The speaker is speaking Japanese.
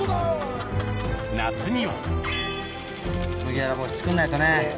夏には麦わら帽子作んないとね。